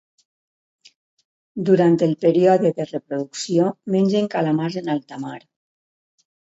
Durant el període de reproducció mengen calamars en alta mar.